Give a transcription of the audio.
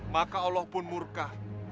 maka allah pun murka